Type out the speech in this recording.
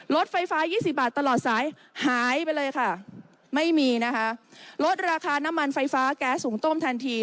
รถไฟฟ้า๒๐บาทตลอดสายหายไปเลยค่ะไม่มีนะคะลดราคาน้ำมันไฟฟ้าแก๊สหุงต้มทันที